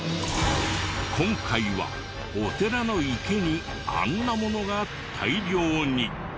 今回はお寺の池にあんなものが大量に。